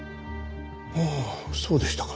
ああそうでしたか。